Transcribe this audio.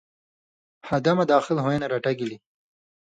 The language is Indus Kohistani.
حدہ مہ داخل ہویں نہ رٹہ گیلیۡ؛